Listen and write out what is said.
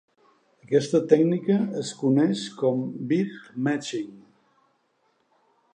Aquesta tècnica es coneix com "beatmatching".